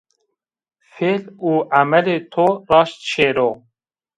Fêl û emelê to raşt şêro